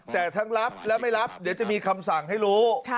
แต่ทั้งรับและไม่รับเดี๋ยวจะมีคำสั่งให้รู้